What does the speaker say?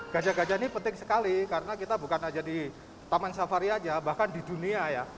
gajah gajah ini penting sekali karena kita bukan saja di taman safari aja bahkan di dunia ya